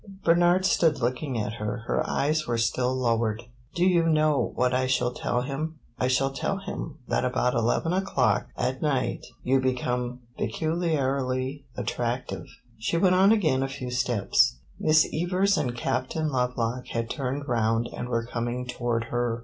Bernard stood looking at her; her eyes were still lowered. "Do you know what I shall tell him? I shall tell him that about eleven o'clock at night you become peculiarly attractive." She went on again a few steps; Miss Evers and Captain Lovelock had turned round and were coming toward her.